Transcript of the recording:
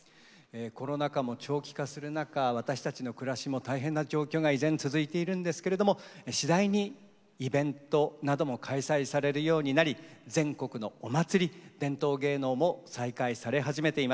コロナ禍も長期化する中私たちの暮らしも大変な状況が依然続いているんですけれども次第にイベントなども開催されるようになり全国のおまつり伝統芸能も再開され始めています。